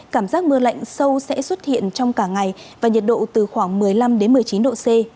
cảm giác mưa lạnh sâu sẽ xuất hiện trong cả ngày và nhiệt độ từ khoảng một mươi năm một mươi chín độ c